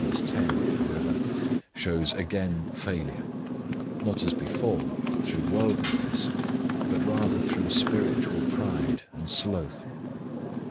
10), however, shows again failure; not as before through worldliness, but rather through spiritual pride and sloth.